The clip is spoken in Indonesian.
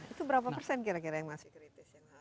itu berapa persen kira kira yang masih kritis